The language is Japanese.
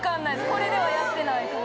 これではやってない。